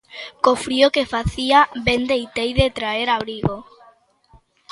Co frío que facía, ben deitei de traer abrigo.